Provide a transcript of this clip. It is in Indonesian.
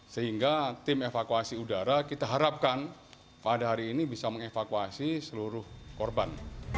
sehingga tim evakuasi udara kita harapkan pada hari ini bisa mengevakuasi seluruh korban